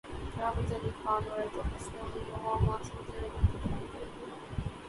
راحت فتح علی خان اور عاطف اسلم رواں ماہ سعودی عرب میں پرفارم کریں گے